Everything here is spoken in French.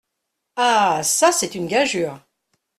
Ah ! çà ! c’est une gageure !